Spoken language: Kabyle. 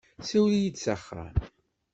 Siwel-iyi-d s axxam.